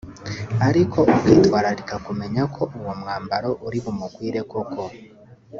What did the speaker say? ariko ukitwararika kumenya ko uwo mwambaro uri bumukwire koko